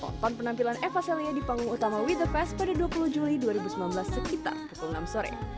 menonton penampilan eva celia di panggung utama with the fest pada dua puluh juli dua ribu sembilan belas sekitar pukul enam sore